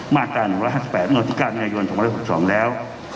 มาตรา๑๕๘นนย๒๖๒แล้ว